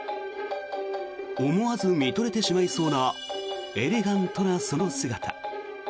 思わず見とれてしまいそうなエレガントなその姿。